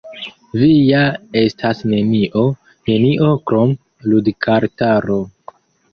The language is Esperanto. "Vi ja estas nenio, nenio krom ludkartaro!"